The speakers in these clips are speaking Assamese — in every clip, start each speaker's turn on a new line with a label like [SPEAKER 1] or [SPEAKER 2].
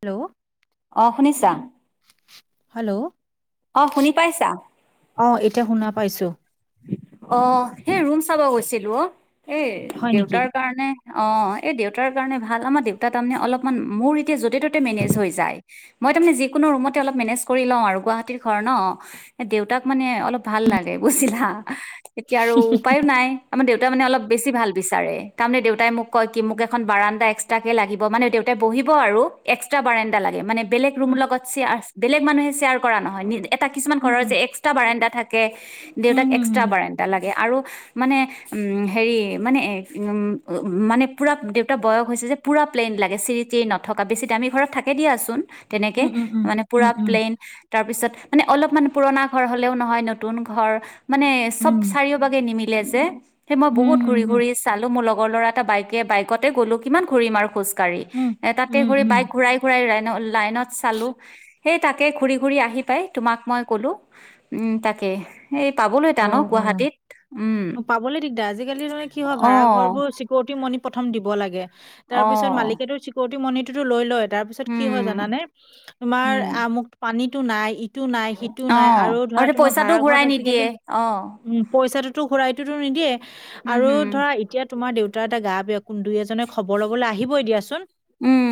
[SPEAKER 1] হেল্ল'
[SPEAKER 2] অ শুনিছা
[SPEAKER 1] হেল্ল'
[SPEAKER 2] অ শুনি পাইছা?
[SPEAKER 1] অ' এতিয়া শুনা পাইছো।
[SPEAKER 2] অ' সেই ৰুম চাব গৈছিলো অ', এই,
[SPEAKER 1] হয় নেকি?
[SPEAKER 2] দেউতাৰ কাৰণে অ', এই দেউতাৰ কাৰণে ভাল। আমাৰ দেউতা, তাৰমানে, অলপমান মোৰ এতিয়া য'তে-ত'তে মেনেজ হৈ যায়। মই তাৰমানে যিকোনো ৰুমতে অলপ মেনেজ কৰি লওঁ আৰু গুৱাহাটীৰ ঘৰ ন', দেউতাক, মানে, অলপ ভাল লাগে, বুজিলা এতিয়া আৰু উপায়ো নাই। আমাৰ দেউ দেউতা, মানে, অলপ বেছি ভাল বিচাৰে। তাৰমানে, দেউতাই মোক কয় কি, মোক এখন বাৰাণ্ডা এক্সট্ৰাকে লাগিব। মানে, দেউতাই বহিব, আৰু এক্সট্ৰা বাৰাণ্ডা লাগে, মানে বেলেগ ৰুম
[SPEAKER 1] উম
[SPEAKER 2] লগত শ্বেয়াৰ বেলেগ মানুহে শ্বেয়াৰ কৰা নহয়, নিজে এটা, কিছুমান
[SPEAKER 1] উম
[SPEAKER 2] ঘৰৰ
[SPEAKER 1] উম
[SPEAKER 2] যে এক্সট্ৰা বাৰাণ্ডা থাক কেফ দেউতাক
[SPEAKER 1] উম হুম
[SPEAKER 2] এক্স ট্ৰা
[SPEAKER 1] হুম
[SPEAKER 2] বাৰাণ্ডা লাগ আৰু মানে উম হেৰি মানে উম মানে পুৰা দেউতাৰ বয়স হৈছে যে, পুৰা প্লেইন লাগে চিৰি চিৰি নথকা। বেছি দামী ঘৰত থাকে দিয়াচোন। তেনেকে।
[SPEAKER 1] উম উম
[SPEAKER 2] মানে
[SPEAKER 1] উম
[SPEAKER 2] পুৰা
[SPEAKER 1] উম উম
[SPEAKER 2] প্লেইন। তাৰপিছত মানে অলপ মান পুৰণা ঘৰ হ'লেও নহয়। নতুন ঘৰ মানে চব
[SPEAKER 1] উম
[SPEAKER 2] চাৰিওবাগে নিমি ক্াছে [unintelligible] সেই মই
[SPEAKER 1] হুম
[SPEAKER 2] বহুত ঘূৰি
[SPEAKER 1] হুম
[SPEAKER 2] ঘূৰি চালো মোৰ লগ লগৰ ল'ৰা এটাৰ বাইকে বাইকতে গ'লো। কিমান ঘূৰিম আৰু খোজকাঢ়ি।
[SPEAKER 1] উম
[SPEAKER 2] তাতে
[SPEAKER 1] উম
[SPEAKER 2] গৈ
[SPEAKER 1] উম
[SPEAKER 2] বাইক ঘূৰাই ঘূৰাই ৰা ন লাইনত চালোঁ সেই তাকে ঘূৰি ঘূৰি আহি পায় তোমাক মই কলোঁ উম, তাকে সেই পাবলৈ টান
[SPEAKER 1] অ' অ'
[SPEAKER 2] গুৱাহাটীত উম
[SPEAKER 1] অ' পাবলৈ দিগদাৰ আজিকালি মানে কি হয়
[SPEAKER 2] অ
[SPEAKER 1] ভাড়া ঘৰবোৰ চিকউৰিটি মানি প্ৰথম দিব লাগে।
[SPEAKER 2] অ
[SPEAKER 1] তাৰপিছত মালিকেতোৰ চিকৰিটি মানি সেইটো লৈ লয়। তাৰপিছত কি হয়
[SPEAKER 2] উম
[SPEAKER 1] জানানে তোমাৰ
[SPEAKER 2] উম
[SPEAKER 1] আমুক পানীত। টো নাই ইক সিটো নাই, সিটো
[SPEAKER 2] অ
[SPEAKER 1] নাই আৰু ধৰা
[SPEAKER 2] তে
[SPEAKER 1] তোমাৰ
[SPEAKER 2] পইচাটো
[SPEAKER 1] ভাড়া ঘৰত
[SPEAKER 2] ঘূৰাই
[SPEAKER 1] আজিকালি।
[SPEAKER 2] নিদিয়ে অ
[SPEAKER 1] উম, পইচাটো টো ঘূৰাইটোতো নিদিয়ে?
[SPEAKER 2] উম
[SPEAKER 1] আৰু
[SPEAKER 2] হম
[SPEAKER 1] ধৰা এতিয়া তোমাৰ দেউত তা এতিয়া গা বেয়া, কোন দুই এজনে খবৰ ল'বলৈ আহিবই দিয়াচোন
[SPEAKER 2] উম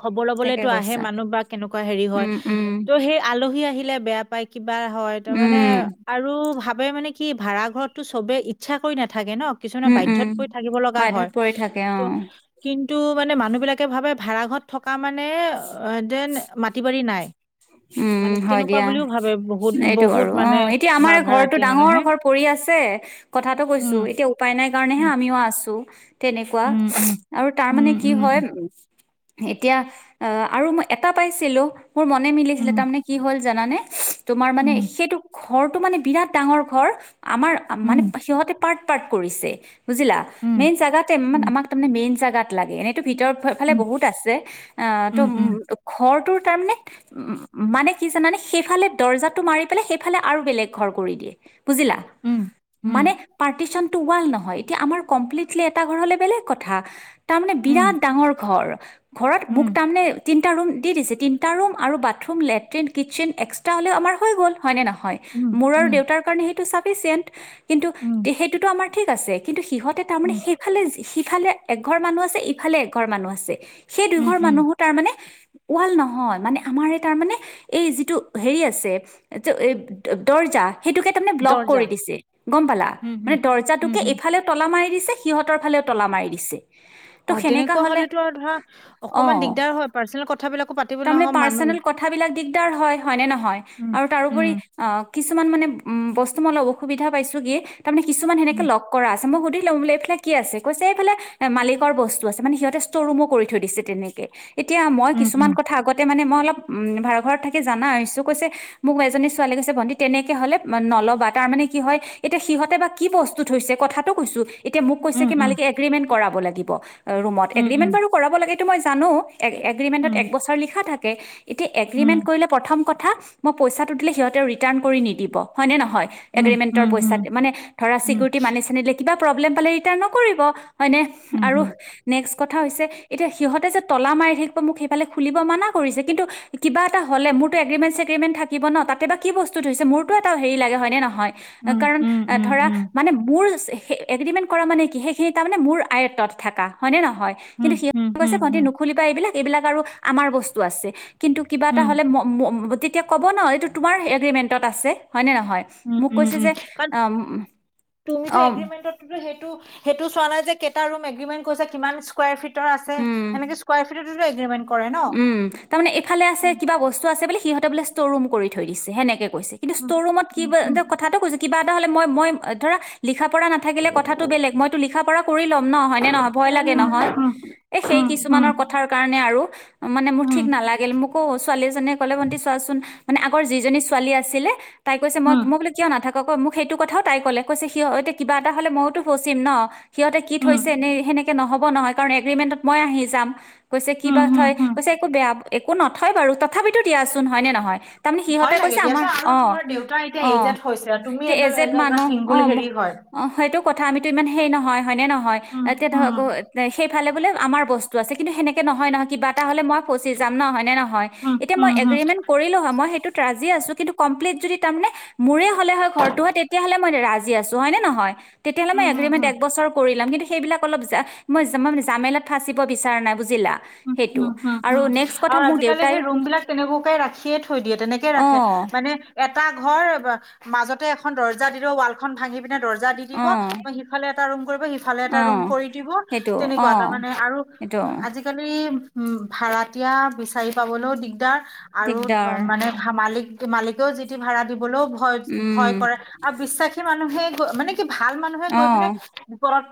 [SPEAKER 1] খবৰ
[SPEAKER 2] তাকে
[SPEAKER 1] লবলৈতো আহে
[SPEAKER 2] কৈছা
[SPEAKER 1] মানুহ বা কেনেকুৱা হেৰি হয়,
[SPEAKER 2] উম উম
[SPEAKER 1] ত' সেই আলহী আহি লে বেয়া পাই কিবা হয়, তাৰ মানে
[SPEAKER 2] উম
[SPEAKER 1] আৰু ভাব মানে কি ভাড়া ঘৰততো চবে ইচ্ছা কৰি নাথাকে থাকে ন কিছুমানে
[SPEAKER 2] উম উম
[SPEAKER 1] বাধ্যত পৰি থাকিব লগা
[SPEAKER 2] বাধ্যত
[SPEAKER 1] হয়।
[SPEAKER 2] পৰি থাকে অ
[SPEAKER 1] ত' কিন্তু তো' মানে মানুহবিলাকে ভাবে ভাড়াঘৰত থকা মানে যেন মাটি বাৰী নাই। মানে
[SPEAKER 2] উম হয়
[SPEAKER 1] তেনেকুৱা
[SPEAKER 2] দিয়া।
[SPEAKER 1] বুলিও ভাবে বহুত
[SPEAKER 2] এইটো
[SPEAKER 1] বহুত
[SPEAKER 2] আৰু
[SPEAKER 1] মানে
[SPEAKER 2] অ'এতিয়া আমাৰ
[SPEAKER 1] মা-
[SPEAKER 2] ঘৰটোত।
[SPEAKER 1] ভাড়াতীয়া
[SPEAKER 2] ডাঙৰ
[SPEAKER 1] মানুহে
[SPEAKER 2] ঘৰ পৰি আছে কথাটো কৈছো,
[SPEAKER 1] উম
[SPEAKER 2] এতিয়া উপায় নাই কাৰণেহে
[SPEAKER 1] উম
[SPEAKER 2] আমিও আছো। [unintelligible] তেনেকুৱা,
[SPEAKER 1] উম উম
[SPEAKER 2] আৰু তাৰ মানে কি হয়। এতিয়া আ' আৰু মই এটা পাইছিলো মোৰ মনে মিলি তাৰমানে কি হ'ল জানানে? তোমাৰ মানে সেইটো। ঘৰটো মানে বিৰাট ডাঙৰ ঘৰ। আমাৰ মানে সিহঁতে পাৰ্ট পাৰ্ট কৰিছে। বুজিলা? মেইন জোগাতে আমাক তাৰ মেইন জোগাত। লাগে ন। ভিতৰফালে বহুত আছে ত'ঘৰতোৰ। তাৰমানে উম মানে কি জানানে সেইফালে দৰ্জাটো মাৰি পেলাই সেইফালে আৰু বেলেগ ঘৰ কৰি দিয়ে। বুজিলা? মানে পাৰ্টিচন ৱাল নহয় এতিয়া আমাৰ কমপ্লিটলি এটা ঘৰ হ'লে বেলেগ কথা। তাৰমানে বিৰাট ডাঙৰ ঘৰ। ঘৰত মোক তাৰমানে তিনিটা ৰুম দি দিছে, তিনিটা ৰুম আৰু বা বাথৰুম, লেট্ৰিন, কিটচেন এক্সট্ৰা হ'লেও আমাৰ হৈ গ'ল হয়নে নহয়। হয় মোৰ আৰু দেউতাৰ কাৰণে সেই চাফিচিয়েণ্ট। কিন্তু সেইটোতো আমাৰ ঠিক আছে কিন্তু সিহঁতে তাৰমানে সেইফালে সিফালে এঘৰ মানুহ আছে ইফালে এঘৰ মানুহ আছে। সেই দুয়োঘৰ
[SPEAKER 1] উম
[SPEAKER 2] মানুহো তাৰ মানে ৱাল নহয় মানে আমাৰ তাৰ মানে এই যিটো হেৰি আছে যে এই দৰ্জা। সেইটোকে তাৰমানে ব্লক
[SPEAKER 1] দৰ্জা
[SPEAKER 2] কৰি দিছে গম পালা।
[SPEAKER 1] হুম হুম
[SPEAKER 2] মানে
[SPEAKER 1] হুম
[SPEAKER 2] দৰ্জাটোকে
[SPEAKER 1] হুম
[SPEAKER 2] এইফালেও তলা মাৰি দি ত'
[SPEAKER 1] অ'
[SPEAKER 2] সেনেকা
[SPEAKER 1] তেনেকুৱা
[SPEAKER 2] হ'লে
[SPEAKER 1] হলেতো আৰু ধৰা অকমান
[SPEAKER 2] অ
[SPEAKER 1] দিগদাৰ হয় পাৰ্চনেল কথা বিলাকো পাতিব নহয় মানুহ।
[SPEAKER 2] কাবিলাক দিগদাৰ হয় হয় নে নহয়
[SPEAKER 1] উম
[SPEAKER 2] আৰু
[SPEAKER 1] উম
[SPEAKER 2] তাৰোপৰি আহ কিছুমান মানে উ বস্তু মই অলপ অসুবিধা পাইছোগে তাৰমানে কিছুমান সেনেকে
[SPEAKER 1] উম
[SPEAKER 2] লগ কৰা আছে মোক সুধি [inaudible] এইফালে কি আছে কৈছে এইফালে মালিকৰ বস্তু আছে মানে সিহঁতে ষ্ট' ৰুমো কৰি থৈ দিছে তেনেকে এতিয়া মই কিছুমান কথা আগতে মানে মই অলপ উম ভাড়া ঘৰত থাকি জানা হৈছো কৈছে মোক এজনী ছোৱালী কৈছে ভন্টি তেনেকে হলে নল'বা তাৰমানানে কি হয় এতিয়া সিহতে বা কি প্ৰস্তুত হৈছে কথাটো কৈছো এতিয়া মোক কৈ
[SPEAKER 1] উম
[SPEAKER 2] কি
[SPEAKER 1] উম
[SPEAKER 2] মালিক এগ্ৰমেণ্ট কৰাব লাগিব ৰুমত
[SPEAKER 1] উম উম
[SPEAKER 2] এগিমেণ্ট বাৰু কৰাব লাগে এইটো মই জানো এগ্ৰিমেণ্টত
[SPEAKER 1] উম
[SPEAKER 2] একবছৰ লিখা থাকে তে এতিয়া এগ্ৰিমেণ্ট
[SPEAKER 1] উম
[SPEAKER 2] কৰিলে প্ৰথম কথা পইচাটো দিলে সিহঁতেও ৰিট্ৰান ৰি নিদিব হয় নে নহয় হয়
[SPEAKER 1] উম
[SPEAKER 2] এগ্ৰিমেন্টৰ
[SPEAKER 1] উম উম
[SPEAKER 2] পইচা মানে ধৰা চিকৰতি মানি চানি কিবা প্ৰবেল্ম পালে ৰিট্ৰান নকৰিব হয়নে
[SPEAKER 1] উম উম
[SPEAKER 2] আৰু নেক্স কথা হৈছে এতিয়া সিহঁতে যে তলা মাৰি থাকিব মোক সেইফালে খুলিব মানা কৰিছে কিন্তু কিবা এটা হলে মোৰতো এগ্ৰিমেন্ট ছেগ্ৰিমেন্ট থাকিব ন তাতে বা কি বস্তু থৈছে মোৰতটো এটা হেৰি লাগে হয় নে নহয় কাৰণ
[SPEAKER 1] উম উম উম
[SPEAKER 2] ধৰা মানে মোৰ সেই এগ্ৰিমেণ্ট কৰা মানে কি সেইখিনি তাৰমানে মোৰ আয়ত্বত থকা হয়নে নহয় হয়
[SPEAKER 1] উম উম
[SPEAKER 2] কিন্তু সিহঁতে
[SPEAKER 1] উম উম উম
[SPEAKER 2] কৈছে
[SPEAKER 1] উম
[SPEAKER 2] ভণ্টি নুখুলিবা এইবিলাক এইবিলাক আৰু আমাৰ বস্তু আছে কিন্তু কিবা এটা হ'লে [inaudible] তেতিয়া ক'ব ন এইটো তোমাৰ এগ্ৰিমেণ্টত আছে হয়নে নহয়
[SPEAKER 1] উ
[SPEAKER 2] মোক
[SPEAKER 1] উম
[SPEAKER 2] কৈছে
[SPEAKER 1] উম
[SPEAKER 2] যে
[SPEAKER 1] কাৰণ
[SPEAKER 2] অ
[SPEAKER 1] তুমিতো
[SPEAKER 2] অ
[SPEAKER 1] এগ্ৰিমেন্টতো সেইটো সেইটো চোৱা নাই যে এটা ৰুম এগ্ৰিমেট কৰিছে কিমান স্কাৰ ফিট
[SPEAKER 2] উম
[SPEAKER 1] কৰে ন
[SPEAKER 2] উম তাৰমানে এইফালে আছে কিবা বস্তু আছে বুলি সিহঁতে বোলে ষ্ট'ৰ ৰুম কৰি থৈ দিছে সেনেকে কৈছে কিন্তু ষ্ট'ৰ ৰুমত কি এ কথাটো কৈছে কিবা হ'লে মই মই ধৰা লিখা পৰা নাথাকিলে কথাটো বেলেগ মইতো লিখা প কৰি ল'ম ন হয় নে নহয় ভয় লাগে নহয় এ সেই কিছুমানৰ কথাৰ কাৰণে আৰু মানে মোৰ ঠিক নালাগিল, মোকো ছোৱালী এজ নীয়ে কলে ভন্টি চোৱাচোন, মানে আগৰ যিজনী ছোৱালী আছিলে তাই কৈছে মই, মই বোলে কিয় নাথাকো ক কয়, মোক সেইটো কথাও তাই ক'লে, কৈছে সি অ‌ এতিয়া কিবা এটা হ'লে ময়োতো ফচিম ন? সিহঁতে কি থৈছে এনে সেনেক কে নহব নহয়, কাৰণ এগ্ৰিমেণ্টত মই আহি যাম কৈছে কিবা থয়, কৈছে একো বেয়া একো নথয় বাৰু, তথাপিতো দিয়াচোন হয় নে নহয়? তাৰমানে সিহঁতে
[SPEAKER 1] ভয়
[SPEAKER 2] কৈছে
[SPEAKER 1] লাগে
[SPEAKER 2] আমাৰ
[SPEAKER 1] দিয়াচোন। আৰু
[SPEAKER 2] অ
[SPEAKER 1] তোমাৰ দেউতা এতিয়া
[SPEAKER 2] অ
[SPEAKER 1] এইজড হৈছে। তুমি
[SPEAKER 2] এতিয়া এজেড মানুহ
[SPEAKER 1] [unintelligible]
[SPEAKER 2] অ
[SPEAKER 1] চিংগল,
[SPEAKER 2] ম-
[SPEAKER 1] হেৰি, হয়
[SPEAKER 2] অ সেইটো কথা। আমিতো ইমান সেই নহয় হয় নে নহয়? তাতকে [unintelligible] সেই খালে-ব'লে আমাৰ বস্তু আছে, কিন্তু সেনেকে নহয়। নহয়, কিবা হ'লে মই ফচি যাম ন', হয় নে নহয়? এতিয়া মই এগ্ৰিমেন্ট কৰিলোঁ হয়। মই সেইটোত ৰাজি আছোঁ, কিন্তু কমপ্লিট যদি, তাৰমানে, মোৰে হ'লে হয়, ঘৰটো হয়। তেতিয়াহ'লে মই ৰাজি জি আছোঁ, হয় নে নহয়? তেতিয়াহ'লে মই এগ্ৰিমেন্ট
[SPEAKER 1] হয়
[SPEAKER 2] এক বছৰৰ কৰি ল'ম, কিন্তু সেইবিলাক অলপ যা, মই, মই জামেলাত ফাঁচিব বিচৰা নাই, বুজি
[SPEAKER 1] উম, উম, হম, হম।
[SPEAKER 2] কথা
[SPEAKER 1] আৰু
[SPEAKER 2] মোক
[SPEAKER 1] আজিকালি
[SPEAKER 2] দেউতাই
[SPEAKER 1] সেই ৰুমবিলাক তেনেকুৱাকৈ ৰাখিয়েই থৈ দিয়ে। তেনেকৈ
[SPEAKER 2] অ
[SPEAKER 1] ৰাখে, মানে, এট এটা ঘৰ। মাজতে এখন দৰ্জা দিলেও, ৱালখন ভাঙি পিনে দৰ্জা দি
[SPEAKER 2] অ
[SPEAKER 1] দিব, বা সিফালে এটা ৰুম কৰিব, সিফালে এটা
[SPEAKER 2] অ
[SPEAKER 1] ৰুম কৰি দিব।
[SPEAKER 2] সেইটো অ
[SPEAKER 1] তেনেকুৱা, তাৰমানে, আৰু
[SPEAKER 2] সেইটো
[SPEAKER 1] আজি এই, উম, ভাড়াতীয়া বিচাৰি পাবলৈও দিগদাৰ আৰু,
[SPEAKER 2] দিগদাৰ
[SPEAKER 1] মানে, হা, মালিক মালিকেও যি-টি ভাড়া দি বলেও ভয়, ভয়
[SPEAKER 2] উম
[SPEAKER 1] কৰে আৰু বিশ্বাসী মানুহে মানে ভাল মানুহে
[SPEAKER 2] অ
[SPEAKER 1] গৈ পিনে ওপৰত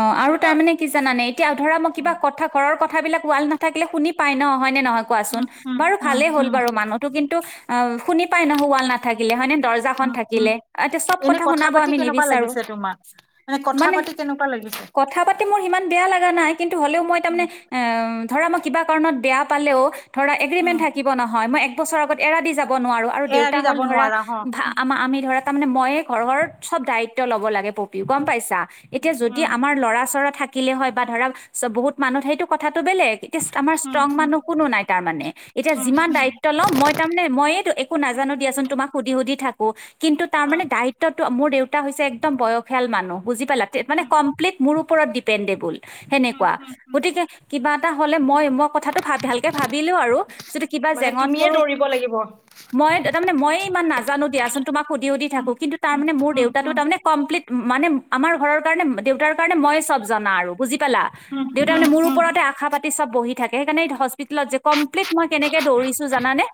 [SPEAKER 2] অ', আৰু তাৰমানে কি জানানে? এতিয়া ধৰা মই
[SPEAKER 1] উম,
[SPEAKER 2] কিবা কথা ঘৰৰ কথ কথাবিলাক ৱাল নাথাকিলে শুনি পায় ন হয় নে নহয় কোৱাচোন
[SPEAKER 1] উম, উম,
[SPEAKER 2] বাৰু
[SPEAKER 1] উম,
[SPEAKER 2] ভালেই হ'ল
[SPEAKER 1] উম,
[SPEAKER 2] বাৰু মানুহতো কিন্তু আহ শুনি পাই নহয় ৱাল নাথাকিলে হয়নে দৰ্জাখন
[SPEAKER 1] উম। উম।
[SPEAKER 2] থাকিলে এতিয়া চব
[SPEAKER 1] এনে
[SPEAKER 2] কথা শুনাব
[SPEAKER 1] পাতি
[SPEAKER 2] আমি
[SPEAKER 1] কেনেকুৱা
[SPEAKER 2] নিবিচাৰো
[SPEAKER 1] লাগিছে তোমাক? কথা
[SPEAKER 2] মানে
[SPEAKER 1] পাতি কেনেকুৱা লাগিছে?
[SPEAKER 2] কথা পাতি মোৰ হিমান বেয়া লগা নাই কিন্তু হ'লেও মই তাৰ
[SPEAKER 1] উম,
[SPEAKER 2] মানে অঁ ধৰা মই কিবা কাৰণত বেয়া পালেও ধৰা
[SPEAKER 1] উম,
[SPEAKER 2] এগ্ৰীমেণ্ট থাকিব নহয় মই এগ এবছৰ আগত এৰা দি যাব যাব নোৱাৰো আৰু দেউতা
[SPEAKER 1] এআৰি
[SPEAKER 2] হ'ল
[SPEAKER 1] যাব
[SPEAKER 2] ধৰা
[SPEAKER 1] নোৱাৰা হ? উম,
[SPEAKER 2] আমি আমি ধৰা তাৰ মানে ময়েই ঘৰ ঘৰৰ চব দায়িত্ব ল'ব লাগে পপি গম পাইছা যদি
[SPEAKER 1] উম,
[SPEAKER 2] আমাৰ ল'ৰা চৰা থাকে থাকিলে হয় বা ধৰা বহুত মানুহ সেইটো কথা চবে লেডিজ আমাৰ
[SPEAKER 1] উম,
[SPEAKER 2] ষ্ট্ৰং
[SPEAKER 1] উম,
[SPEAKER 2] মানুহ কোনো নাই তাৰ মানে এতিয়া
[SPEAKER 1] উম,
[SPEAKER 2] যিমান
[SPEAKER 1] উম,
[SPEAKER 2] দায়িত্ব লও মইয়েই তাৰমানে একদম একো নাজানো দিয়াচোন তোমাক সুধি সুধি থাকো কিন্তু তাৰ
[SPEAKER 1] অ',
[SPEAKER 2] মানে দায়িত্বটো মোৰ দেউতা দউতা হৈছে একদম বয়সীয়াল মানুহ বুজি পালা তে মানে
[SPEAKER 1] উম,
[SPEAKER 2] কম্পিল্ট মোৰ ওৰত ডিপেণ্ডেবল
[SPEAKER 1] উম,
[SPEAKER 2] সেনেকুৱা
[SPEAKER 1] উম, উম,
[SPEAKER 2] গতিকে কিবা এটা হ'লে মই মই কথাটো ভা ভালকে ভাবিলো আৰু যদি কিবা
[SPEAKER 1] মানে
[SPEAKER 2] জেঙত
[SPEAKER 1] তুমিয়ে
[SPEAKER 2] পৰো
[SPEAKER 1] দৌৰিব লাগিব।
[SPEAKER 2] মই তাৰ মানে মইয়ে ইমান নাজানো দিয়াচোন তোমাক সুধি সুধি
[SPEAKER 1] উম,
[SPEAKER 2] থাকো কিন্তু তাৰ
[SPEAKER 1] উম,
[SPEAKER 2] মানে মোৰ
[SPEAKER 1] উম,
[SPEAKER 2] দেউতাটো তাৰমানে কমপ্লিট মানে আমাৰ ঘৰৰ কাৰণে দেউতাৰ কাৰণে মইে চব জানা আৰু বুজি পালা
[SPEAKER 1] উম,
[SPEAKER 2] দেউতা
[SPEAKER 1] উম,
[SPEAKER 2] মানে মোৰ ওপৰতে আশা পাতি চব বহি থাকে সেইকাৰণে হস্পিটেলত যে কম কম্পিল্ট মই কেনেকে দৌৰিছো জানানে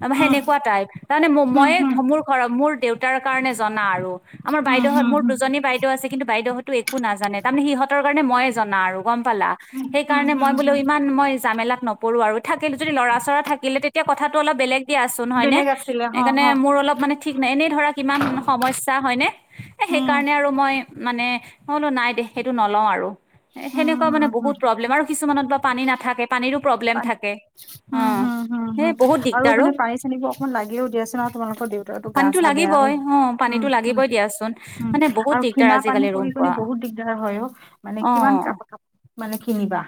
[SPEAKER 2] তাৰমানে
[SPEAKER 1] উম,
[SPEAKER 2] হেনেকুৱা টাইপ তাৰ মানে
[SPEAKER 1] উম, উম,
[SPEAKER 2] মইয়েই
[SPEAKER 1] উম, উম,
[SPEAKER 2] মোৰ ঘৰৰ মোৰ দেউতাৰ কাৰণে জনা আৰু আমাৰ
[SPEAKER 1] উম, হুম,
[SPEAKER 2] বাইদেহঁত
[SPEAKER 1] হুম,
[SPEAKER 2] মোৰ দুজনী বাইদেউ আছে কিন্তু বাইদেউহঁত একো নাজানে তাৰমানে সিহঁতৰ কাৰণে ময়ে জনা আৰু গম পালা
[SPEAKER 1] উম, উম,
[SPEAKER 2] সেইকাৰণে
[SPEAKER 1] হুম,
[SPEAKER 2] মই বোলো
[SPEAKER 1] হুম,
[SPEAKER 2] ইমান মই জামেলাত নপৰো আৰু থাকিল যদি লৰা চৰা থাকিলে তেতিয়া কথাটো অলপ বেলেগ দিয়াচোন হয়নে
[SPEAKER 1] বেলেগ আছিলে হ, হ,
[SPEAKER 2] সেইকাৰণে মোৰ অলপ মানে ঠিক নাই এনেই ধৰা কিমান সমস্যা হয়নে এ
[SPEAKER 1] উম,
[SPEAKER 2] সেইকাৰণে আৰু মই মানে হ'লো নাই দে সেইটো নলওঁ আৰু
[SPEAKER 1] উম,
[SPEAKER 2] সেনেকুৱা মানে
[SPEAKER 1] হুম, হুম,
[SPEAKER 2] বহুত প্ৰব্লেম আৰু কিছুমানত বা পানী নাথাকে পানীৰো প্ৰব্লেম
[SPEAKER 1] ান
[SPEAKER 2] থাকে অ
[SPEAKER 1] হম হম হম
[SPEAKER 2] সেই
[SPEAKER 1] হম
[SPEAKER 2] বহুত
[SPEAKER 1] আৰু
[SPEAKER 2] দিগদাৰ অ
[SPEAKER 1] মানে পানী চানীবোৰ অকমান লাগিও দিয়া আছে ন তোমালোকৰ দেউতাৰো গা
[SPEAKER 2] পানীতো
[SPEAKER 1] চা বেয়া
[SPEAKER 2] লাগিবই
[SPEAKER 1] হৈ
[SPEAKER 2] অ
[SPEAKER 1] উম
[SPEAKER 2] পানীতো লাগিবই দিয়াচোন মানে বহুত
[SPEAKER 1] আৰু
[SPEAKER 2] দিগদাৰ
[SPEAKER 1] কিনাা পানী
[SPEAKER 2] আজিকালি ৰুম
[SPEAKER 1] কৰি ক
[SPEAKER 2] পোৱা
[SPEAKER 1] বহুত দিগদাৰ হয় অ মানে
[SPEAKER 2] অ
[SPEAKER 1] কিমান কাপ কাপোৰ মানে কিনিবা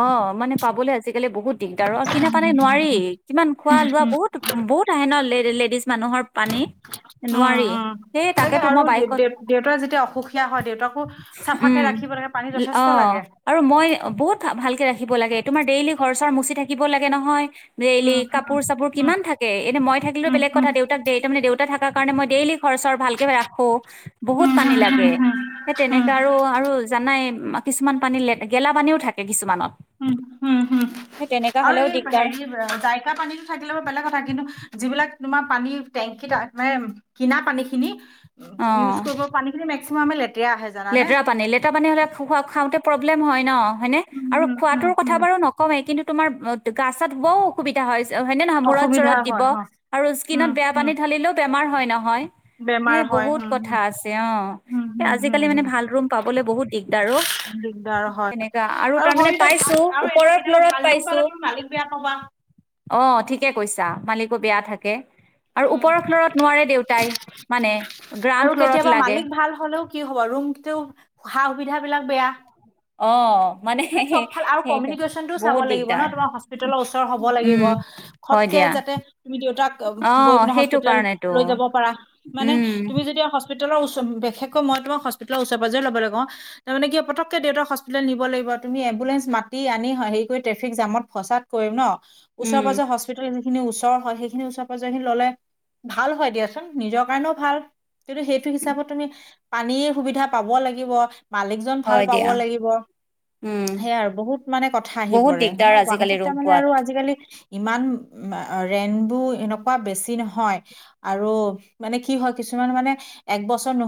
[SPEAKER 2] অ মানে পাবলৈ আছিল গলে বহুত দিগদাৰ অ কিনা পানে নোৱাৰি
[SPEAKER 1] উম
[SPEAKER 2] কিমান খোৱা লোৱা বহুত বহুত আহে ন লেলে
[SPEAKER 1] উম উম
[SPEAKER 2] সেই
[SPEAKER 1] তাকে
[SPEAKER 2] তাকেতো মই
[SPEAKER 1] আৰু দে
[SPEAKER 2] বাইক
[SPEAKER 1] দেউতাৰ যেতিয়া অসুখীয়া হয় দেউতাকো চাফাকে
[SPEAKER 2] উম,
[SPEAKER 1] ৰাখিব লাগে পানী যথেষ্ট
[SPEAKER 2] অ',
[SPEAKER 1] লাগে
[SPEAKER 2] আৰু মই বহুত ভালকে ৰাখিব লাগে তোমাৰ ডেইলি ঘৰ মুচি থাকিব লাগে নহয় দেলি
[SPEAKER 1] উম উম
[SPEAKER 2] কাপোৰ চাপোৰ কিমান থাকে এনে মই থাকিলোও
[SPEAKER 1] উম উম
[SPEAKER 2] বেলেগ কথা দেউতাক দে তাৰমানে দেউতা থাকে কাৰণে মই ডেইলি খৰচৰ ভালকে ৰাখো বহুত
[SPEAKER 1] উম
[SPEAKER 2] পানী
[SPEAKER 1] উম
[SPEAKER 2] লাগে
[SPEAKER 1] উম
[SPEAKER 2] সেই
[SPEAKER 1] উম উম
[SPEAKER 2] তেনেককাে আৰু আৰু জানাই কিছুমান পানী লে গেলা পানীও থাকে কিছুমানত
[SPEAKER 1] উম হম হম
[SPEAKER 2] সেই তেনেকা
[SPEAKER 1] আৰু
[SPEAKER 2] হ'লেও
[SPEAKER 1] এই
[SPEAKER 2] দিগদাৰ
[SPEAKER 1] হেৰি দাইকা পানীতো থাকিলে ব বেলেগ কথা কিন্তু যিবিলাক তোমাৰ পানী টেংকীিত মানে কিনা পানী খিনি উ ইউজ
[SPEAKER 2] অ'।
[SPEAKER 1] কৰিব পানীখিনি ম আমেল
[SPEAKER 2] লেতেৰা পানী লেতেৰা পানী হ'লে খ খাওঁতে প্ৰব্লেম হয় ন হয়নে
[SPEAKER 1] উম
[SPEAKER 2] আৰু
[SPEAKER 1] হুম হুম
[SPEAKER 2] খোৱাাতটো কথা
[SPEAKER 1] হুম
[SPEAKER 2] বাৰু নকমেই কিন্তু তোমাৰ গাছত ব অসুবিধা হয় হয়নেে নহয় মৰত চ
[SPEAKER 1] অসুবিধা
[SPEAKER 2] দিব
[SPEAKER 1] হয় হ
[SPEAKER 2] আৰু
[SPEAKER 1] উম
[SPEAKER 2] স্কত বে
[SPEAKER 1] হম
[SPEAKER 2] পানী ঢালিলেও বেমাৰ হয় নহয়
[SPEAKER 1] বেমাৰ
[SPEAKER 2] সেই
[SPEAKER 1] হয়
[SPEAKER 2] বহুত
[SPEAKER 1] হম
[SPEAKER 2] কথা
[SPEAKER 1] হম
[SPEAKER 2] আছে অ
[SPEAKER 1] হম হম
[SPEAKER 2] আজি ব অ
[SPEAKER 1] হম হম দিগদাৰ হয় আৰু হয় এতিয়া ভাল আৰু এইটো কেতিয়াবা ভাল ৰুম পালে তুমি মালিক বেয়া পাবা
[SPEAKER 2] বেয়া থাকে আৰু
[SPEAKER 1] উম
[SPEAKER 2] ওপৰৰ ফ্লৰত নোৱাৰে দেউতাই মানে গ্ৰাউণ্ড
[SPEAKER 1] আৰু
[SPEAKER 2] ফ্ল'ৰত
[SPEAKER 1] কেতিয়াবা
[SPEAKER 2] লাগে
[SPEAKER 1] মালিক ভাল হলেও কি হ'ব ৰুম টো সা সুবিধা বিলাক বেয়া
[SPEAKER 2] অ
[SPEAKER 1] মানে চব ভাল আৰু
[SPEAKER 2] সেইটো
[SPEAKER 1] কমিউনিকেশ্যনতটো চাব
[SPEAKER 2] বহুত
[SPEAKER 1] লাগিব ন
[SPEAKER 2] দিগদাৰ
[SPEAKER 1] তোমাৰ হস্পিতেেলৰ ওচৰ হব লাগিব
[SPEAKER 2] উম হয়
[SPEAKER 1] সবকে
[SPEAKER 2] দিয়া
[SPEAKER 1] যাতে তুমি দেউতাক
[SPEAKER 2] অ
[SPEAKER 1] গৈ পিনে
[SPEAKER 2] সেইটো
[SPEAKER 1] হস্পিতেেল
[SPEAKER 2] কাৰণেতো
[SPEAKER 1] লৈ যাব পাৰা মানে
[SPEAKER 2] উম
[SPEAKER 1] তুমি যদি হস্পৰওচ বিশেষকৈ মই তোম হ্পিালৰ ওচ পৰে লব ল গওঁ তাৰ মে কি পকে দেউতাক হস্পিতেেল নিব লাগিব তুমি এম্বুলেন্ঞ্চ মাতি আনি হেৰি কৰি ট্ৰেফিক জামত ফচাত কৰিম ন। ওচৰ
[SPEAKER 2] উম
[SPEAKER 1] পাজৰ হস্পিটেল স খিনি ওচৰ হয়, সেইখিনি ওচৰ পৰায় খিন ললে ভাল হয় দিয়াচোন, নিজৰ কাৰণেও ভাল [inaudible] সেইটো হিচাপত তুমি পানীৰ সুবিধা পাব লাগিব মালিকজন ভাল
[SPEAKER 2] হয়
[SPEAKER 1] পাব
[SPEAKER 2] দিয়া
[SPEAKER 1] লাগিব
[SPEAKER 2] উম
[SPEAKER 1] সেয়া আৰু বহুত মানে কথা আহি
[SPEAKER 2] বহুত
[SPEAKER 1] পৰে,
[SPEAKER 2] দিগদাৰ আজিকালি
[SPEAKER 1] গুৱাহাটীত
[SPEAKER 2] ৰুম
[SPEAKER 1] তাৰমানে
[SPEAKER 2] পোৱাত
[SPEAKER 1] আৰু আজিকালি ইমান ৰইনবো এনেকুৱা বেছি নহয়, আৰু মানে কি হয়, কিছুমান মানে একবছৰ নোহোৱা